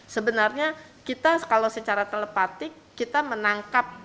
sebenarnya kita kalau secara telepatik kita menangkap